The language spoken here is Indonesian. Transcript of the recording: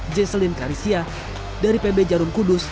jaseline karisia dari pb jarum kudus